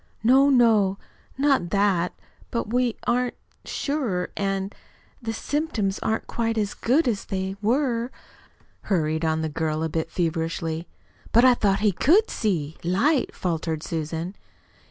"No, no, not that; but we aren't SURE. And and the symptoms aren't quite so good as they were," hurried on the girl a bit feverishly. "But I thought he could see light," faltered Susan.